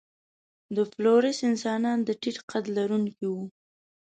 د فلورېس انسانان د ټیټ قد لرونکي وو.